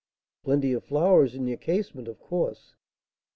"Plenty of flowers in your casement, of course?"